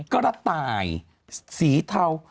กระต่ายสีเทา